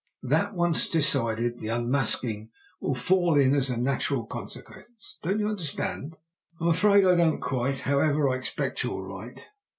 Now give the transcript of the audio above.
That once decided, the unmasking will fall in as a natural consequence. Don't you understand?" "I am afraid I don't quite. However, I expect you're right."